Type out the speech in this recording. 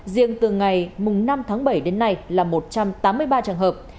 riêng từ ngày năm tháng bảy đến nay là một trăm tám mươi ba trường hợp